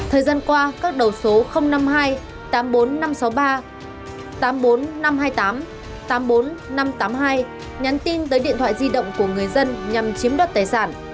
thời gian qua các đầu số năm mươi hai tám mươi bốn nghìn năm trăm sáu mươi ba tám mươi bốn nghìn năm trăm hai mươi tám tám mươi bốn năm trăm tám mươi hai nhắn tin tới điện thoại di động của người dân nhằm chiếm đoạt tài sản